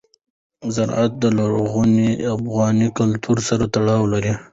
زراعت د لرغوني افغان کلتور سره تړاو لري.